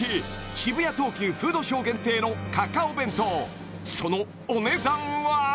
渋谷東急フードショー限定のカカオ弁当そのお値段は？